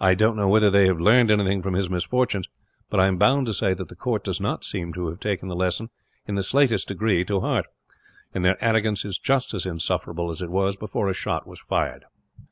I don't know whether they have learned anything from his misfortunes, but I am bound to say that the court does not seem to have taken the lesson, in the slightest degree, to heart; and their arrogance is just as insufferable as it was before a shot was fired."